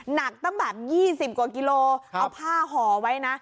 หนักตั้งแบบยี่สิบกว่ากิโลกรัมเอาผ้าห่อไว้นะ